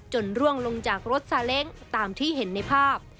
ร่วงลงจากรถซาเล้งตามที่เห็นในภาพ